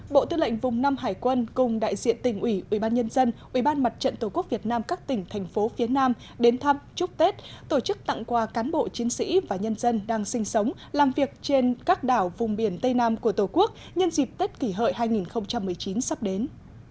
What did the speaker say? bộ tư lệnh vùng năm hải quân cùng đại diện tỉnh ủy ủy ban nhân dân ủy ban mặt trận tổ quốc việt nam các tỉnh thành phố phía nam đến thăm chúc tết tổ chức tặng quà cán bộ chiến sĩ và nhân dân đang sinh sống làm việc trên các đảo vùng biển tây nam của tổ quốc nhân dịp tết kỷ hợi hai nghìn một mươi chín sắp đến